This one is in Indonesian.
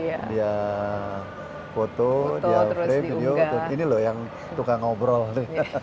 ya dia foto dia play video ini loh yang tukang ngobrol